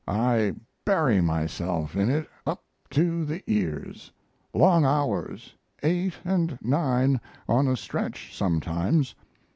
I bury myself in it up to the ears. Long hours 8 & 9 on a stretch sometimes.